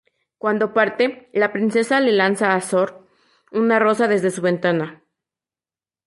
Cuando parte, la princesa le lanza a Zorn una rosa desde su ventana.